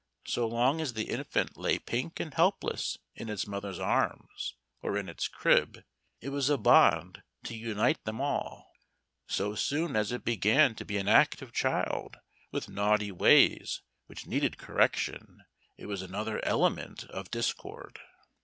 So long as the infant lay pink and helpless in its mother's arms or in its crib, it was a bond to unite them all. So soon as it began to be an active child, with naughty ways which needed correction, it was another element of discord.